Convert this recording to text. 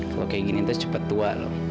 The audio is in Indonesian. kalau kayak gini terus cepat tua loh